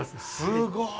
すごい。